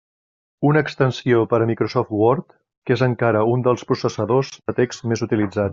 Una extensió per a Microsoft Word, que és encara un dels processadors de text més utilitzats.